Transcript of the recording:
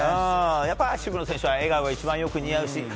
やっぱり渋野選手は笑顔が一番よく似合うし。